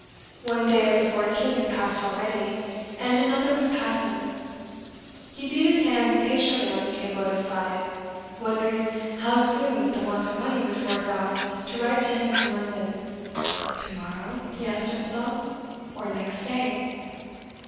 One day of the fourteen had passed already, and another was passing. He beat his hand impatiently on the table at his side, wondering how soon the want of money would force Allan to write to him from London. "To morrow?" he asked himself. "Or next day?"